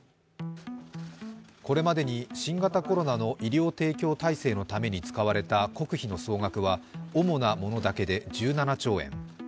これまでに新型コロナの医療提供体制のために使われた国費の総額は主なものだけで１７兆円。